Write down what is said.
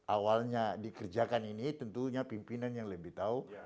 awalnya dikerjakan ini tentunya pimpinan yang lebih tahu